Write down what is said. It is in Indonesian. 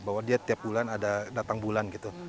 bahwa dia tiap bulan ada datang bulan gitu